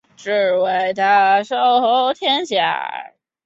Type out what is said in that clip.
另外他拥有巴西及安哥拉双重国籍。